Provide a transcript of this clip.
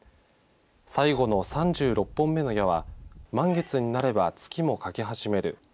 最後の３６本目の矢は満月になれば月も欠け始める。